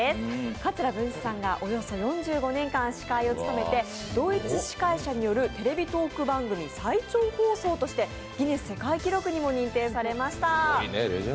桂文枝さんがおよそ４５年間司会を務めて同一司会者によるテレビトーク番組最長放送としてギネス世界記録にも認定されました。